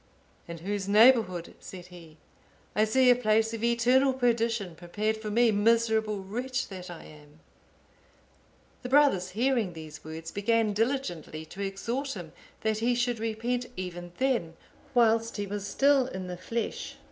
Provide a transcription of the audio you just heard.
"In whose neighbourhood," said he, "I see a place of eternal perdition prepared for me, miserable wretch that I am." The brothers, hearing these words, began diligently to exhort him, that he should repent even then, whilst he was still in the flesh.